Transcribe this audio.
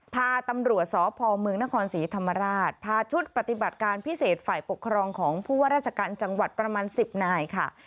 พาตำรวจสพเมืองนครศรีธรรมราชพาชุดปฏิบัติการพิเศษฝ่ายปกครองของผู้ว่าราชการจังหวัดประมาณ๑๐นายค่ะ